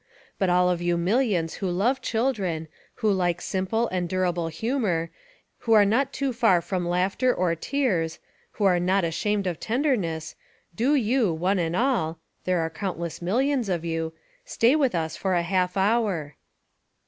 But all of you millions who love children, who like simple and durable humor, who are not too far from laughter or tears, who are not ashamed of tenderness, do you, one and all (there are countless millions of you!) stay with us for a half hour!